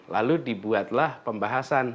lalu dibuatlah pembahasan